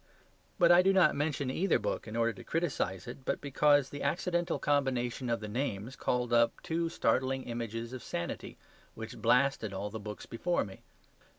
But I do not mention either book in order to criticise it, but because the accidental combination of the names called up two startling images of Sanity which blasted all the books before me.